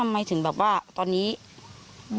ไม่เคยได้มาพูดคุยถามอาการของลูกหนู